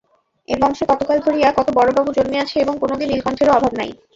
এ বংশে কতকাল ধরিয়া কত বড়োবাবু জন্মিয়াছে এবং কোনোদিন নীলকণ্ঠেরও অভাব নাই।